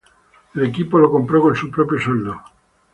El equipo lo compró con su propio sueldo.